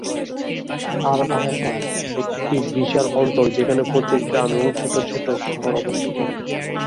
Al Ahsa একটি বিশাল অঞ্চল যেখানে প্রচুর গ্রাম এবং ছোট ছোট শহর অবস্থিত।